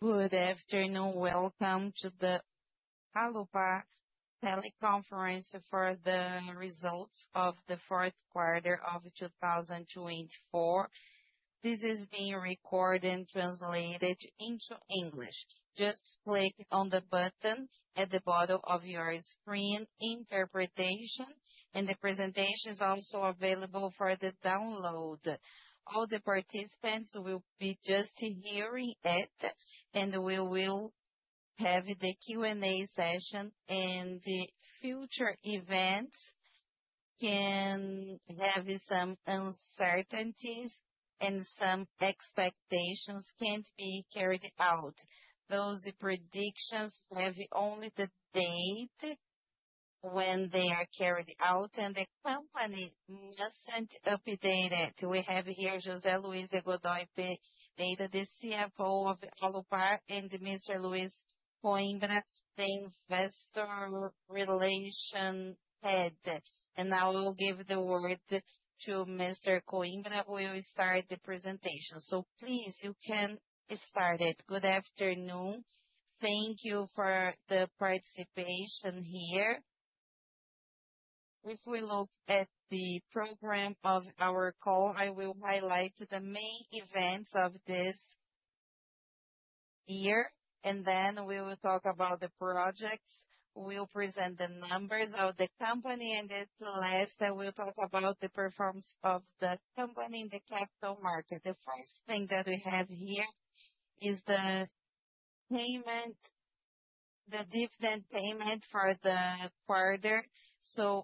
Good afternoon. Welcome to the Alupar Teleconference for the results of the fourth quarter of 2024. This is being recorded and translated into English. Just click on the button at the bottom of your screen. Interpretation and the presentation is also available for the download. All the participants will be just hearing it, and we will have the Q&A session, and the future events can have some uncertainties, and some expectations can't be carried out. Those predictions have only the date when they are carried out, and the company mustn't update it. We have here José Luiz de Godoy Pereira, as the CFO of Alupar, and Mr. Luiz Coimbra, the Investor Relations Head. Now I'll give the word to Mr. Coimbra. We'll start the presentation. Please, you can start it. Good afternoon. Thank you for the participation here. If we look at the program of our call, I will highlight the main events of this year, and then we will talk about the projects. We'll present the numbers of the company, and at the last, I will talk about the performance of the company in the capital market. The first thing that we have here is the dividend payment for the quarter.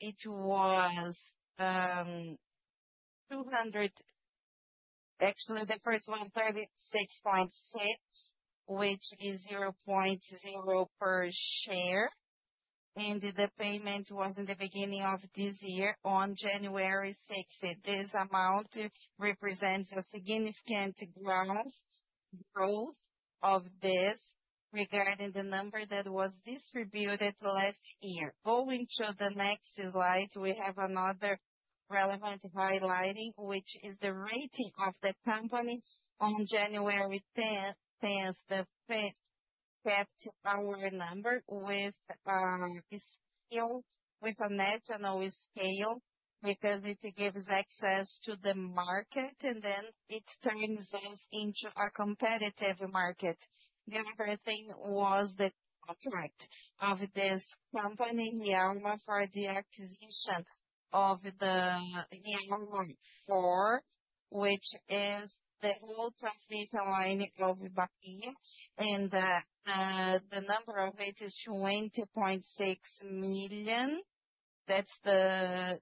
It was 36.6, which is 0.0366 per share. The payment was in the beginning of this year on January 6th. This amount represents a significant growth of this regarding the number that was distributed last year. Going to the next slide, we have another relevant highlighting, which is the rating of the company on January 10th. Fitch kept our rating with a national scale because it gives access to the market, and then it turns us into a competitive market. Everything was the contract of this company for the acquisition of the, which is the whole transmission line of Bahia. And the number of it is 20.6 million. That's the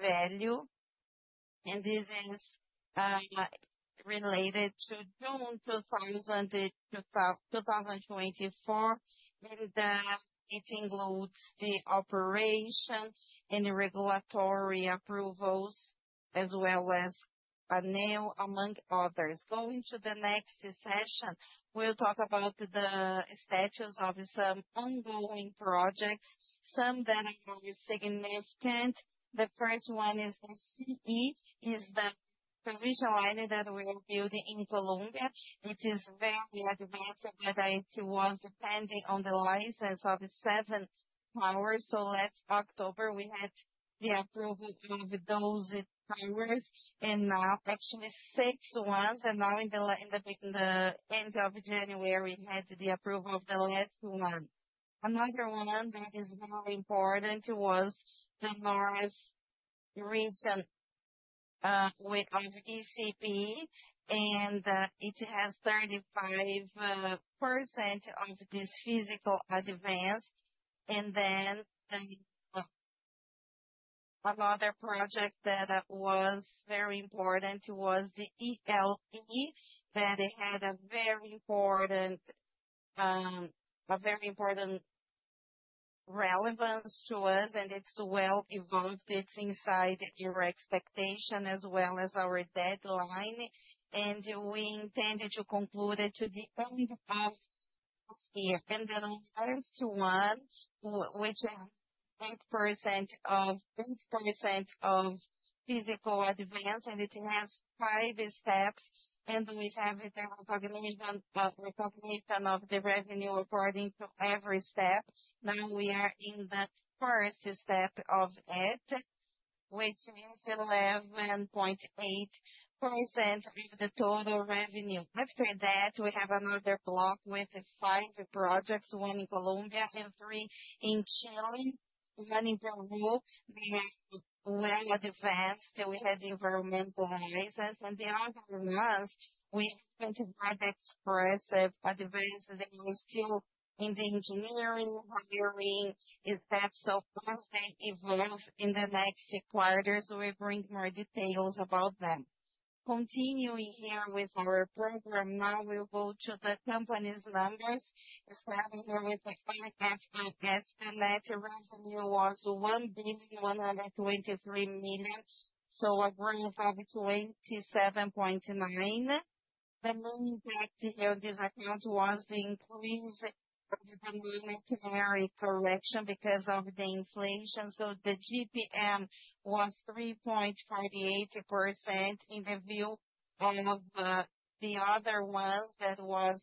value. And this is related to June 2024. And it includes the operation and regulatory approvals as well as ANEEL, among others. Going to the next session, we'll talk about the status of some ongoing projects, some that are significant. The first one is the TCE, the transmission line that we are building in Colombia. It is very advanced, but it was depending on the license of seven powers. So last October, we had the approval of those powers, and now actually six ones. Now in the end of January, we had the approval of the last one. Another one that is very important was the North region of ECP, and it has 35% of this physical advance. Then another project that was very important was the ELTE that had a very important relevance to us, and it's well evolved. It's inside your expectation as well as our deadline. We intended to conclude it to the end of this year. The last one, which is 8% of physical advance, and it has five steps, and we have the recognition of the revenue according to every step. Now we are in the first step of it, which is 11.8% of the total revenue. After that, we have another block with five projects, one in Colombia and three in Chile, one in Peru. They are well advanced. We had the environmental license, and the other ones we haven't had express advance. They are still in the engineering, hiring steps. So once they evolve in the next quarter, we bring more details about them. Continuing here with our program, now we'll go to the company's numbers. Starting here with the 3Q FY, the net revenue was 1.123 billion. So a growth of 27.9%. The main impact here on this account was the increase of the monetary correction because of the inflation. So the IGP-M was 3.48% in view of the other ones that was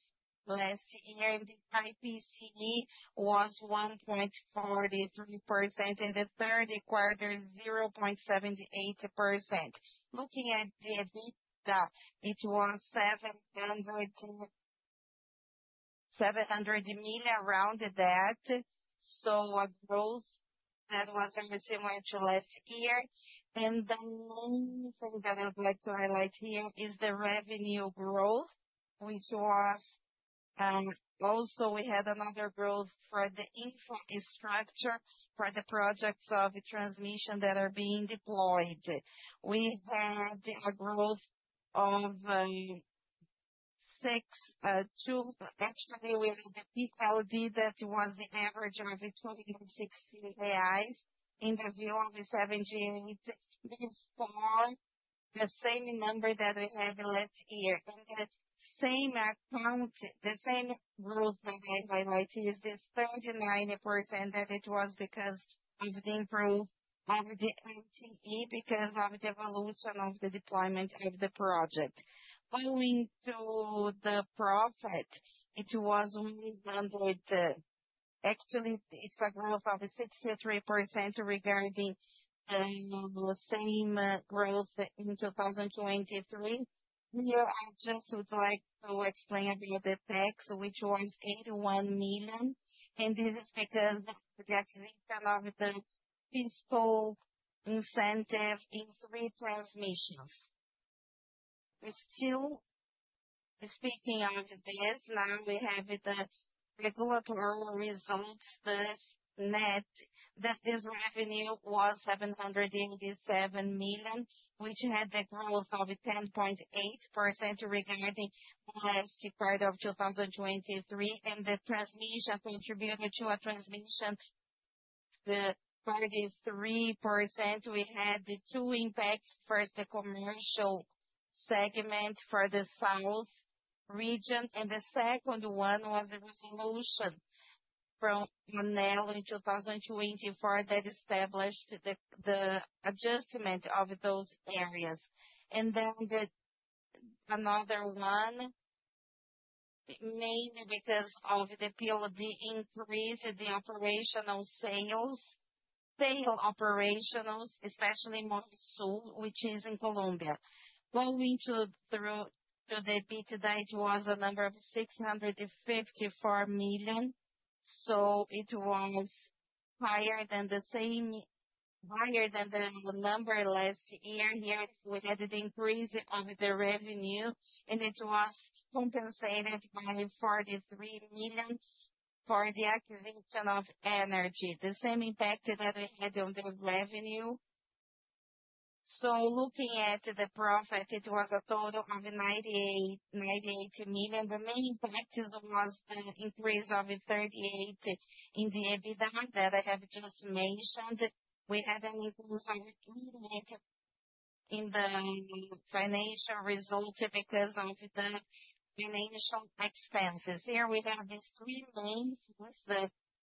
last year. And the IPCA was 1.43% in the third quarter, 0.78%. Looking at the EBITDA, it was 700 million around that. So a growth that was very similar to last year. The main thing that I would like to highlight here is the revenue growth, which was also we had another growth for the infrastructure for the projects of transmission that are being deployed. We had a growth of 6.2%. Actually, we had the PLD that was the average of 260 reais in the view of 78 before the same number that we had last year. The same account, the same growth that I highlighted is this 39% that it was because of the improvement of the TME because of the evolution of the deployment of the project. Going to the profit, it was 100. Actually, it's a growth of 63% regarding the same growth in 2023. Here, I just would like to explain about the tax, which was 81 million. This is because of the acquisition of the fiscal incentive in three transmissions. Still speaking of this, now we have the regulatory results. This revenue was 787 million, which had the growth of 10.8% regarding the last quarter of 2023, and the transmission contributed to a transmission of 33%. We had two impacts. First, the commercial segment for the South region, and the second one was the resolution from ANEEL in 2024 that established the adjustment of those areas. Then another one, mainly because of the PLD, increased the operational sales, sale operations, especially Monsul, which is in Colombia. Going to the EBITDA, it was a number of 654 million, so it was higher than the same higher than the number last year. Here, we had an increase of the revenue, and it was compensated by 43 million for the acquisition of energy. The same impact that we had on the revenue. So looking at the profit, it was a total of 98 million. The main impact was the increase of 38% in the EBITDA that I have just mentioned. We had an inclusion in the financial result because of the financial expenses. Here, we have these three main ones. The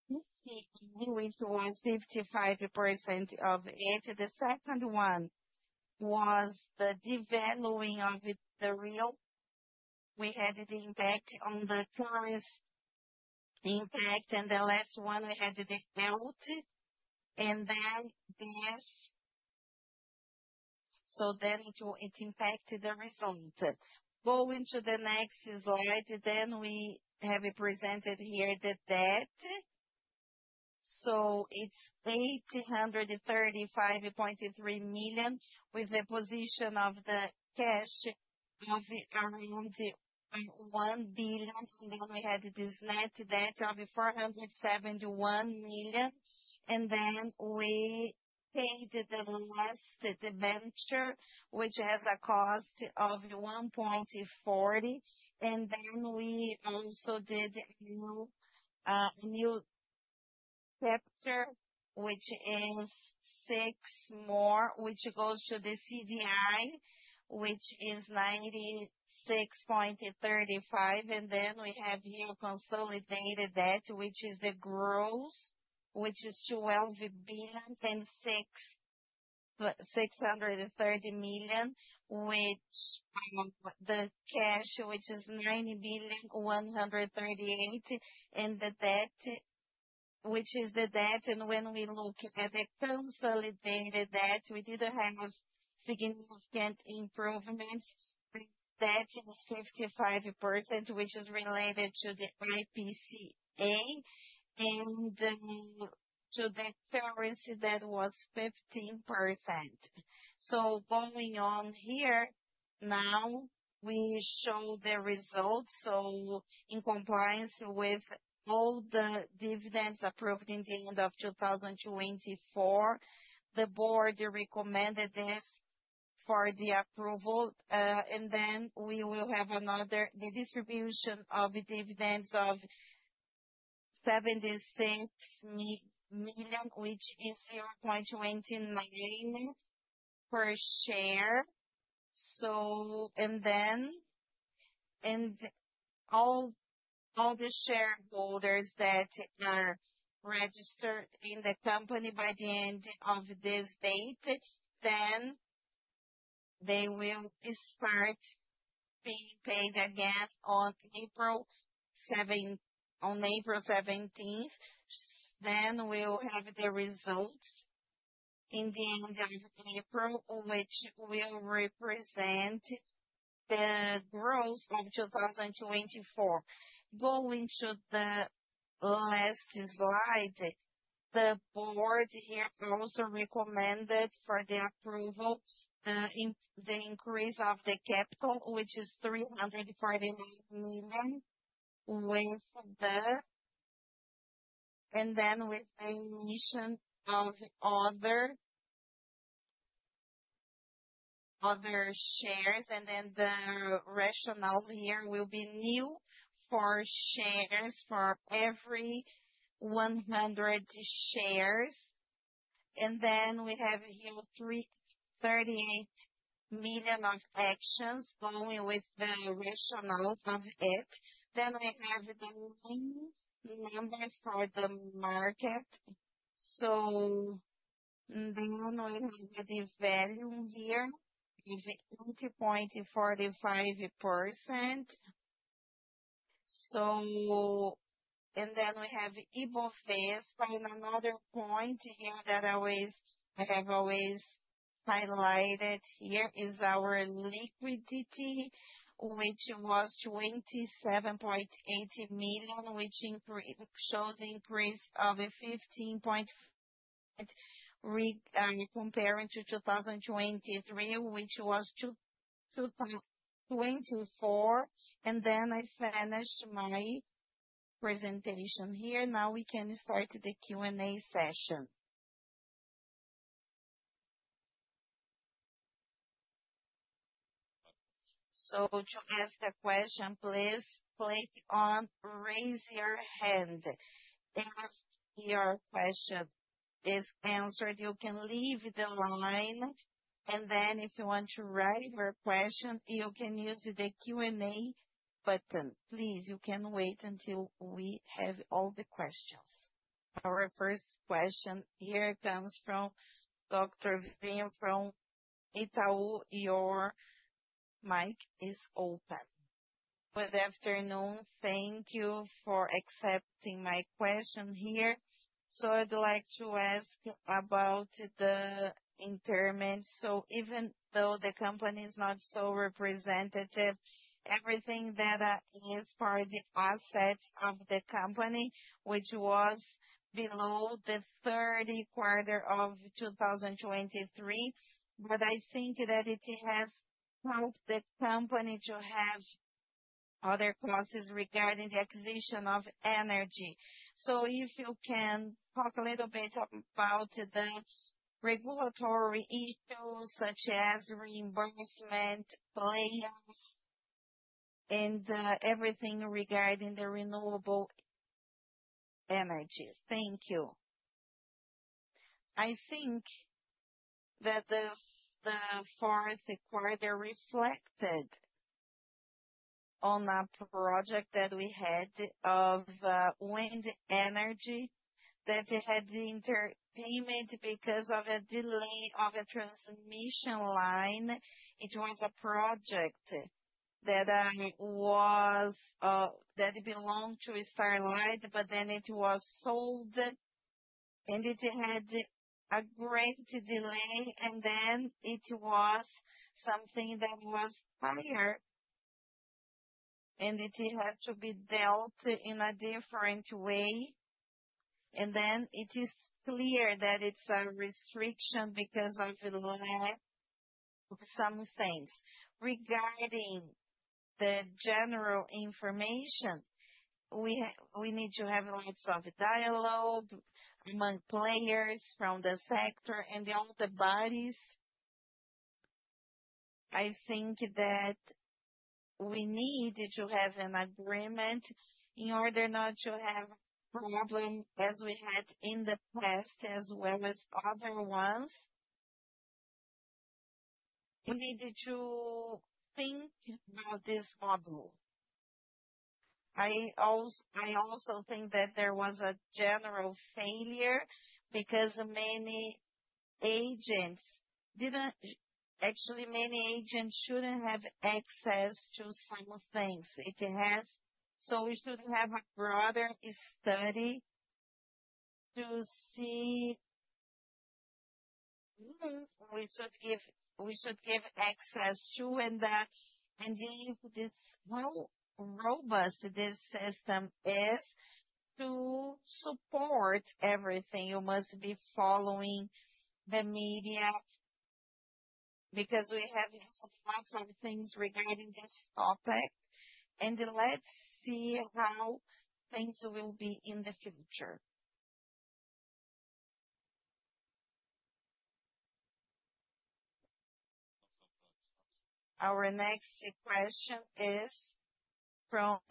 TCE, which was 55% of it. The second one was the devaluation of the real. We had the impact on the currency impact. And the last one, we had the hedge. And then this, so then it impacted the result. Going to the next slide, then we have presented here the debt. So it's 835.3 million with the position of the cash of around 1 billion. And then we had this net debt of 471 million. And then we paid the last debenture, which has a cost of 1.40. And then we also did a new chapter, which is six more, which goes to the CDI, which is 96.35. And then we have here consolidated debt, which is the growth, which is 12 billion and 630 million, which the cash, which is 90.138 billion, and the debt, which is the debt. And when we look at the consolidated debt, we didn't have significant improvements. The debt is 55%, which is related to the IPCA, and to the currency that was 15%. So going on here, now we show the results. So in compliance with all the dividends approved in the end of 2024, the board recommended this for the approval. And then we will have another distribution of dividends of 76 million, which is 0.29 per share. All the shareholders that are registered in the company by the end of this date will start being paid again on April 17th. We'll have the results at the end of April, which will represent the growth of 2024. Going to the last slide, the board here also recommended for the approval the increase of the capital, which is 349 million, with the emission of other shares. The ratio here will be one new share for every 100 shares. We have here 38 million shares going with the ratio of it. We have the main numbers for the market. We have the value here of 80.45%. We have Ibovespa. Another point here that I have always highlighted here is our liquidity, which was 27.8 million, which shows an increase of 15.5% compared to 2023, which was 2024. I finished my presentation here. Now we can start the Q&A session. To ask a question, please click on raise your hand. If your question is answered, you can leave the line. If you want to write your question, you can use the Q&A button. Please, you can wait until we have all the questions. Our first question here comes from. Your mic is open. Good afternoon. Thank you for accepting my question here. I'd like to ask about the intermittency. So even though the company is not so representative, everything that is part of the assets of the company, which was below the third quarter of 2023, but I think that it has helped the company to have other costs regarding the acquisition of energy. So if you can talk a little bit about the regulatory issues such as reimbursement, layers, and everything regarding the renewable energy. Thank you. I think that the fourth quarter reflected on a project that we had of wind energy that had curtailment because of a delay of a transmission line. It was a project that belonged to Sterlite, but then it was sold, and it had a great delay, and then it is clear that it's a restriction because of some things. Regarding the general information, we need to have lots of dialogue among players from the sector and all the bodies. I think that we need to have an agreement in order not to have a problem as we had in the past, as well as other ones. We need to think about this model. I also think that there was a general failure because many agents shouldn't have access to some things. It has. So we should have a broader study to see who we should give access to and see how robust this system is to support everything. You must be following the media because we have lots of things regarding this topic. Let's see how things will be in the future. Our next question is from.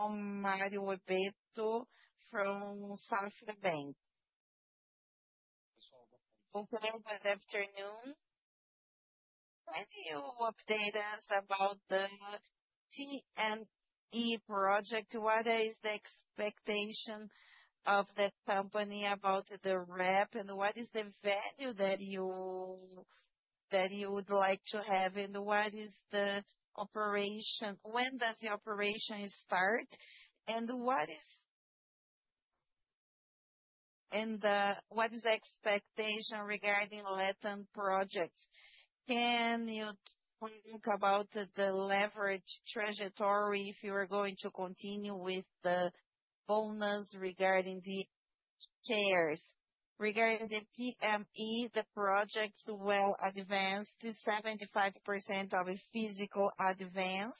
Good afternoon. Can you update us about the TME project? What is the expectation of the company about the RAP? And what is the value that you would like to have? And what is the operation? When does the operation start? And what is the expectation regarding LATAM projects? Can you talk about the leverage trajectory if you are going to continue with the bonus regarding the shares? Regarding the TME, the projects well advanced, 75% of physical advance.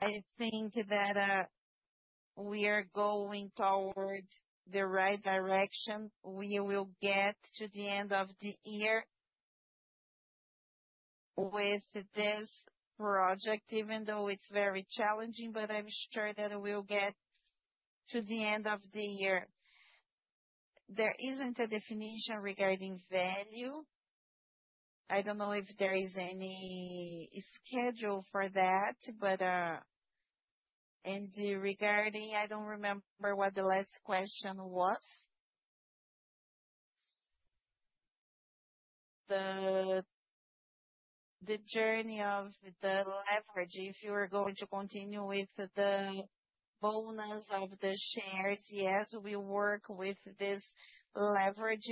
I think that we are going toward the right direction. We will get to the end of the year with this project, even though it's very challenging, but I'm sure that we'll get to the end of the year. There isn't a definition regarding value. I don't know if there is any schedule for that, but regarding, I don't remember what the last question was. The journey of the leverage, if you are going to continue with the bonus of the shares. Yes, we work with this leverage.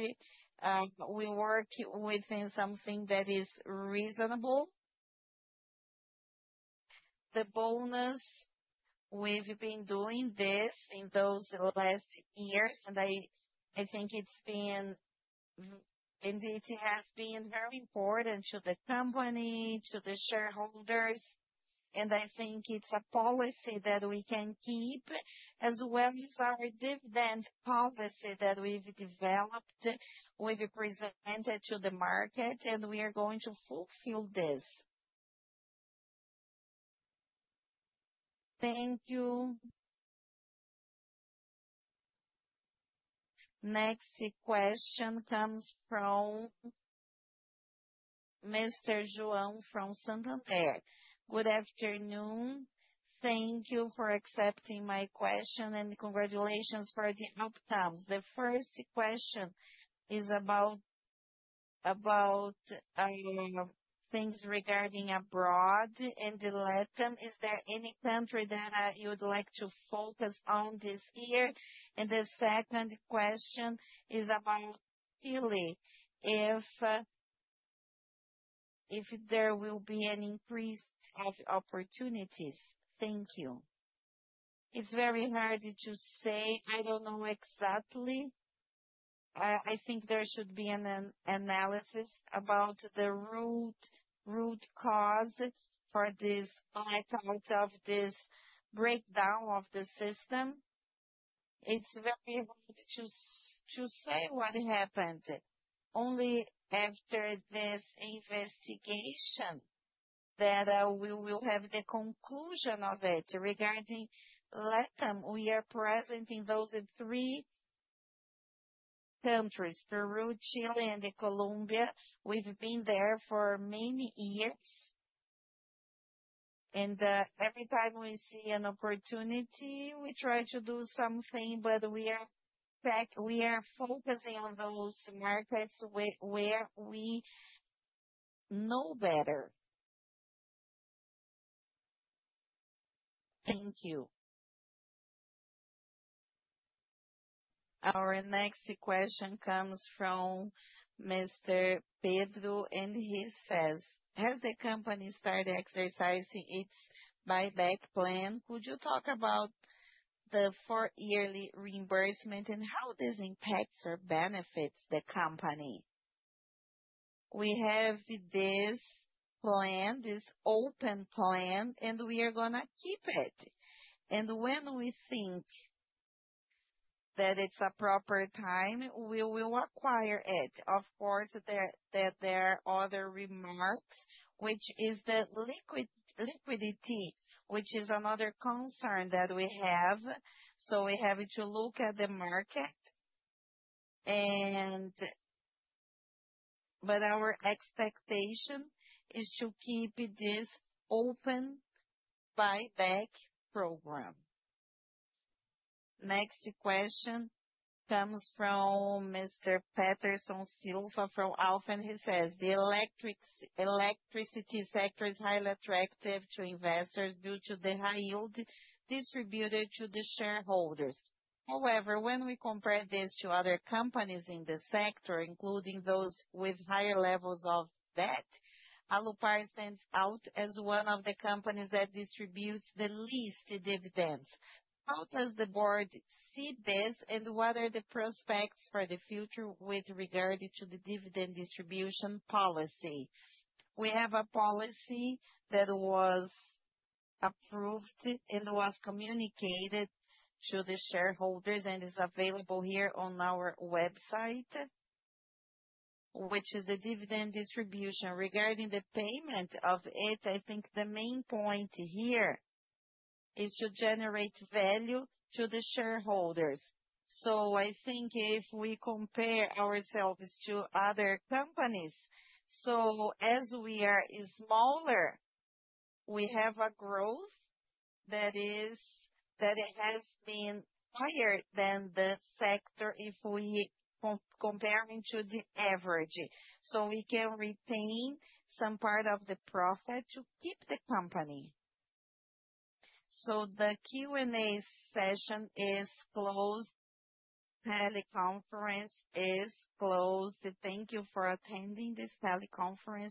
We work within something that is reasonable. The bonus, we've been doing this in those last years, and I think it's been and it has been very important to the company, to the shareholders. And I think it's a policy that we can keep, as well as our dividend policy that we've developed, we've presented to the market, and we are going to fulfill this. Thank you. Next question comes from Mr. Good afternoon. Thank you for accepting my question, and congratulations for the outcomes. The first question is about things regarding abroad and LATAM. Is there any country that you'd like to focus on this year? And the second question is about Chile, if there will be an increase of opportunities. Thank you. It's very hard to say. I don't know exactly. I think there should be an analysis about the root cause for this blackout of this breakdown of the system. It's very hard to say what happened. Only after this investigation that we will have the conclusion of it. Regarding LATAM, we are present in those three countries, Peru, Chile, and Colombia. We've been there for many years. And every time we see an opportunity, we try to do something, but we are focusing on those markets where we know better. Thank you. Our next question comes from Mr. and he says, has the company started exercising its buyback plan? Could you talk about the four-yearly reimbursement and how this impacts or benefits the company? We have this plan, this open plan, and we are going to keep it. When we think that it's a proper time, we will acquire it. Of course, there are other remarks, which is the liquidity, which is another concern that we have. So we have to look at the market. But our expectation is to keep this open buyback program. Next question comes from Mr. Peterson Silva from Alfa. He says, the electricity sector is highly attractive to investors due to the high yield distributed to the shareholders. However, when we compare this to other companies in the sector, including those with higher levels of debt, Alupar stands out as one of the companies that distributes the least dividends. How does the board see this, and what are the prospects for the future with regard to the dividend distribution policy? We have a policy that was approved and was communicated to the shareholders, and it's available here on our website, which is the dividend distribution. Regarding the payment of it, I think the main point here is to generate value to the shareholders. So I think if we compare ourselves to other companies, so as we are smaller, we have a growth that has been higher than the sector if we compare it to the average. So we can retain some part of the profit to keep the company. So the Q&A session is closed. The teleconference is closed. Thank you for attending this teleconference.